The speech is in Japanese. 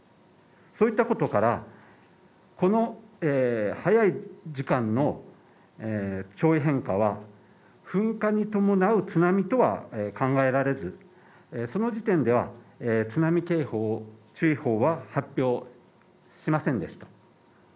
そういったことからこの早い時間の潮位変化、噴火に伴う津波とは考えられずその時点では津波警報注意報は発表しませんでした。